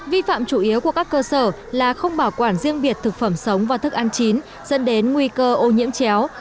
vi phạm chủ yếu của các cơ sở là không bảo quản riêng biệt thực phẩm sống và thức ăn chín dẫn đến nguy cơ ô nhiễm chéo